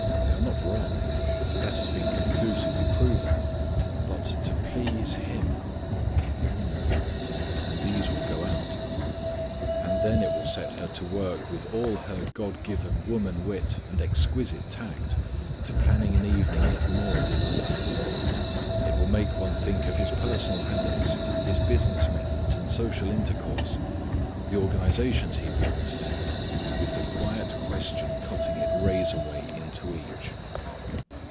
They are not wrong, that has been conclusively proven. But to please Him. Hm m. And these will go out. And then it will set her to work with all her God given woman wit and exquisite tact to planning an evening yet more delightful. It will make one think of his personal habits, his business methods, and social intercourse, the organizations he belongs to, with the quiet question cutting it razor way into each.